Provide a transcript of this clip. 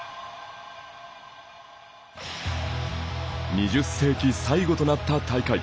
２０世紀最後となった大会。